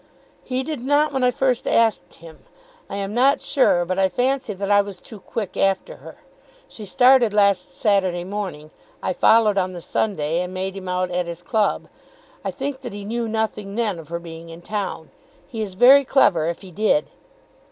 "He did not when I first asked him. I am not sure, but I fancy that I was too quick after her. She started last Saturday morning. I followed on the Sunday, and made him out at his club. I think that he knew nothing then of her being in town. He is very clever if he did.